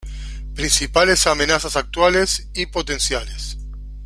Principales amenazas actuales y potenciales.